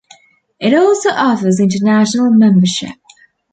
It also offers international membership.